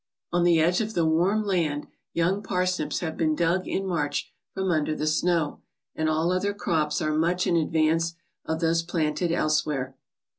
On the edge of the warm land young parsnips have been dug in March from under the snow, and all other crops are much in advance of those planted elsewhere.